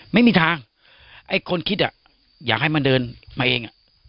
ไม่มีทางไอ้คนคิดอ่ะอยากให้มันเดินมาเอง